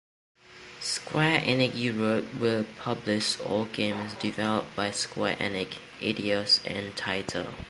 Square Enix Europe will publish all games developed by Square Enix, Eidos and Taito.